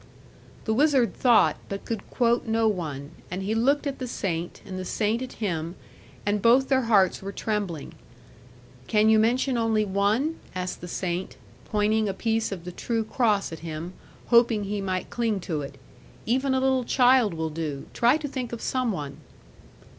The wizard thought, but could quote no one; and he looked at the saint, and the saint at him, and both their hearts were trembling. 'Can you mention only one?' asked the saint, pointing a piece of the true cross at him, hoping he might cling to it; 'even a little child will do; try to think of some one.'